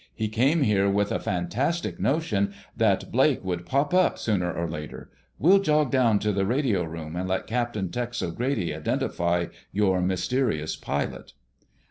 He came here with a fantastic notion that Blake would pop up sooner or later. We'll jog down to the radio room and let Captain Tex O'Grady identify your mysterious pilot."